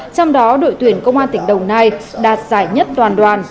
trong đó đội tuyển công an tỉnh đồng nai đạt giải nhất toàn đoàn